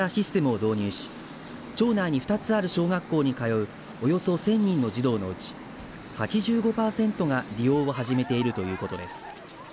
三郷町では今月からシステムを導入し町内に２つある小学校に通うおよそ１０００人の児童のうち８５パーセントが利用を始めているということです。